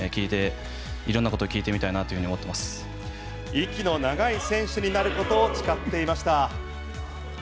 息の長い選手になることを誓っていました。